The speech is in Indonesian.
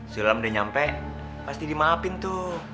pak haji pasti dimaafin tuh